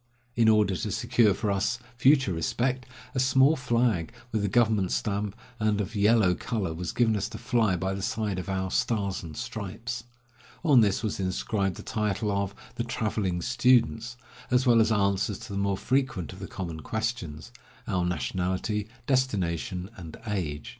In order to secure for us future respect, a small flag with the government stamp and of yellow color was given us to fly by 182 Across Asia on a Bicycle the side of our "stars and stripes." On this was inscribed the title of "The Traveling Students," as well as answers to the more frequent of the common questions — our nationality, destination, and age.